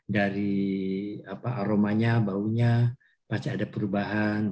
dari aromanya baunya pasti ada perubahan